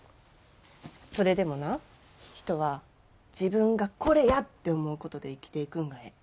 それでもな人は自分が「これや！」って思うことで生きていくんがええ。